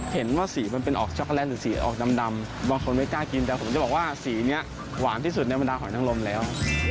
เห็นว่าสีมันเป็นออกช็อกโกแลตหรือสีออกดำบางคนไม่กล้ากินแต่ผมจะบอกว่าสีนี้หวานที่สุดในบรรดาหอยนังลมแล้ว